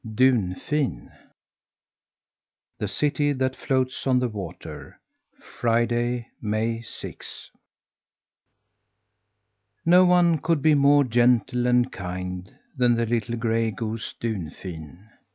DUNFIN THE CITY THAT FLOATS ON THE WATER Friday, May sixth. No one could be more gentle and kind than the little gray goose Dunfin.